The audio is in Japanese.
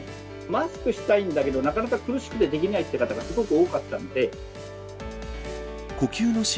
マスクをしたいんだけど、なかなか苦しくてできないって方がすごく多かったので。